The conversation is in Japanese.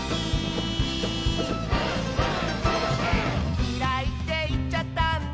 「きらいっていっちゃったんだ」